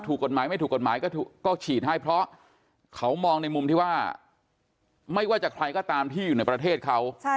กฎหมายไม่ถูกกฎหมายก็ฉีดให้เพราะเขามองในมุมที่ว่าไม่ว่าจะใครก็ตามที่อยู่ในประเทศเขา